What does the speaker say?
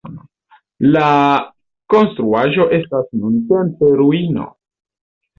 La konstruaĵo estas nuntempe ruino.